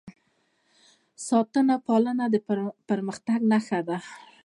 ساتنه او پالنه د پرمختګ نښه ده.